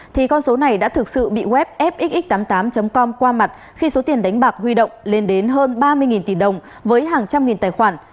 thì con số này đã thực sự bị web fxx tám mươi tám com qua mặt khi số tiền đánh bạc huy động lên đến hơn ba mươi tỷ đồng với hàng trăm nghìn tài khoản